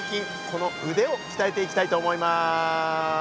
この腕を鍛えていきたいと思います。